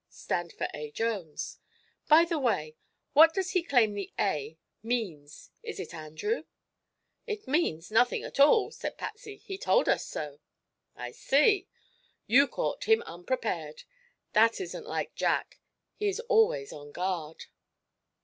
stand for A. Jones. By the way, what does he claim the 'A' means? Is it Andrew?" "It means nothing at all," said Patsy. "He told us so." "I see. You caught him unprepared. That isn't like Jack. He is always on guard."